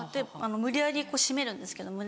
無理やり締めるんですけど胸を。